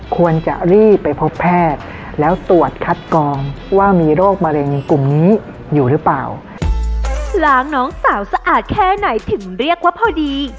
ควรจะรีบไปพบแพทย์แล้วตรวจคัดกองว่ามีโรคมะเร็งกลุ่มนี้อยู่หรือเปล่า